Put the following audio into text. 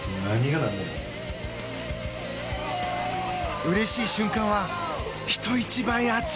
うれしい瞬間は人一倍熱い！